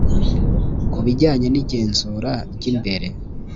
ku bijyanye n igenzura ry imbere